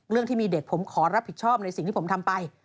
ที่มีเด็กผมขอรับผิดชอบในสิ่งที่ผมทำไป